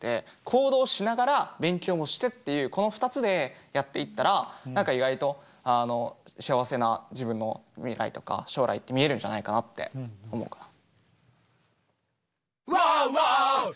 行動しながら勉強もしてっていうこの２つでやっていったら何か意外と幸せな自分の未来とか将来って見えるんじゃないかなって思うかな。